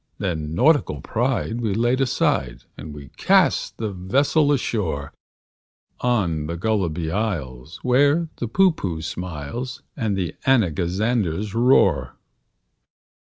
Then nautical pride we laid aside, And we cast the vessel ashore On the Gulliby Isles, where the Poohpooh smiles, And the Anagazanders roar.